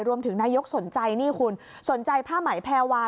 นายกสนใจนี่คุณสนใจผ้าไหมแพรวา